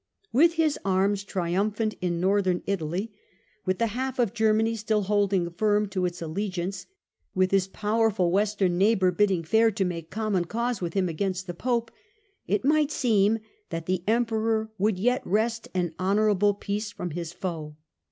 With his arms triumphant in Northern Italy, with the 274 STUPOR MUNDI half of Germany still holding firm to its allegiance, with his powerful Western neighbour bidding fair to make common cause with him against the Pope, it might seem that the Emperor would yet wrest an honourable peace from his foe.